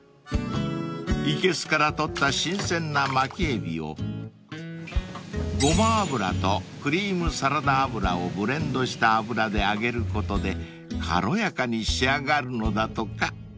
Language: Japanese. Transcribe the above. ［いけすから取った新鮮なマキエビをごま油とクリームサラダ油をブレンドした油で揚げることで軽やかに仕上がるのだとか］